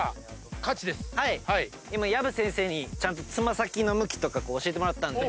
今薮先生にちゃんとつま先の向きとか教えてもらった。